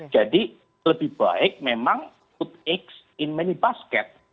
jadi lebih baik memang put eggs in many basket